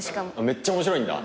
めっちゃ面白いんだ。